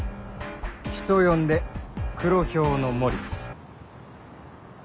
人呼んで「黒ヒョウのモリ」。